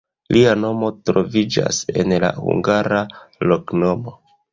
Lia nomo troviĝas en la hungara loknomo.